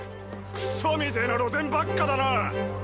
クソみてぇな露店ばっかだな！